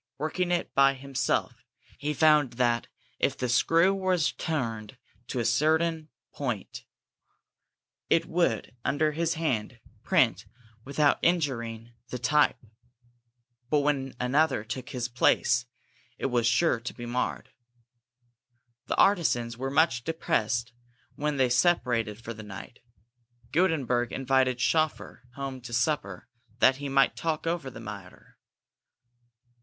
Working it by himself, he found that if the screw was turned to a given point, it would, under his hand, print without injuring the type; but when another took his place, it was sure to be marred. The artisans were much depressed when they separated for the night. Gutenberg invited Schoeffer home to supper, that he might talk over the matter.